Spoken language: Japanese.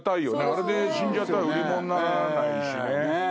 あれで死んじゃったら売り物にならないしね。